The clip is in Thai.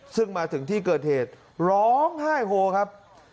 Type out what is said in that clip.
ซึ่งมาถึงที่เกิดเหตุร้องไห้โฮครับ